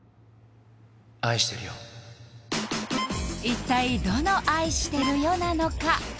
一体どの「愛してるよ」なのか？